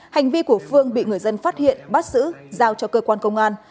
hành vi của phương bị người dân phát hiện bắt giữ giao cho cơ quan công an